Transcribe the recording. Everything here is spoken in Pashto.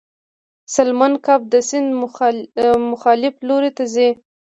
سالمن کب د سیند مخالف لوري ته ځي